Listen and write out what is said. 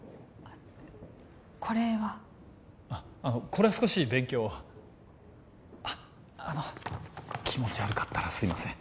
これは少し勉強をあの気持ち悪かったらすいません